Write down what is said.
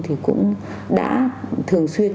thì cũng đã thường xuyên